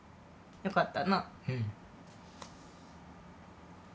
☎よかった